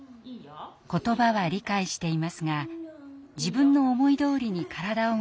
言葉は理解していますが自分の思いどおりに体を動かすことができません。